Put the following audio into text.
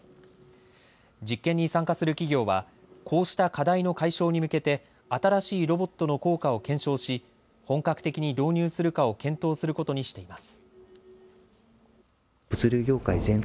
実験に参加する企業はこうした課題の解消に向けて新しいロボットの効果を検証し本格的に導入するかを検討することにしています。